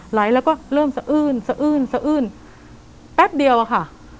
ไหลแล้วก็เริ่มสะอื้นสะอื้นสะอื้นแป๊บเดียวอะค่ะ